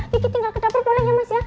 kiki tinggal ke dapur boleh ya mas ya